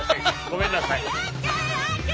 ごめんなさい。